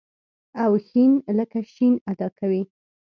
او ښ لکه ش ادا کوي.